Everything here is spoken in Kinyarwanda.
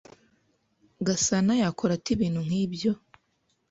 Gasanayakora ate ibintu nkibyo?